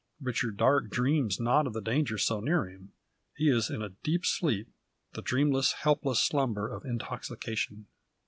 Richard Darke dreams not of the danger so near him. He is in a deep sleep the dreamless, helpless slumber of intoxication.